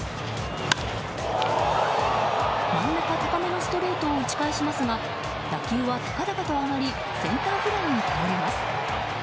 真ん中高めのストレートを打ち返しますが打球は高々と上がりセンターフライに倒れます。